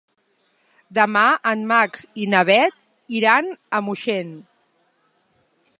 Demà en Max i na Bet iran a Moixent.